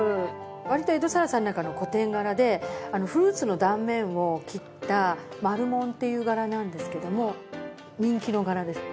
割と江戸更紗の中の古典柄でフルーツの断面を切った丸紋っていう柄なんですけども人気の柄です。